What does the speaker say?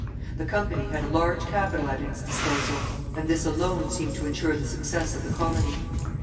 The company had a large capital at its disposal, and this alone seemed to insure the success of the colony.